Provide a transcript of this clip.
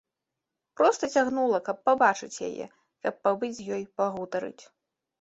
Проста цягнула, каб пабачыць яе, каб пабыць з ёй, пагутарыць.